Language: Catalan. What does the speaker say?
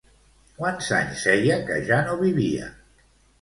Quants anys feia que ja no vivia?